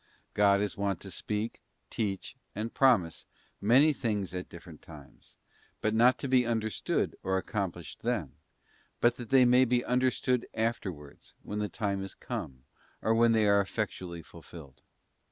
God is wont to speak, teach, and promise, many things at different times, not to be understood, or accomplished then; but that they may be understood afterwards, when the time is come, or when they are effectually fulfilled.